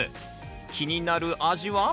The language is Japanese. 気になる味は？